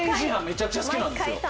めちゃくちゃ好きなんですよ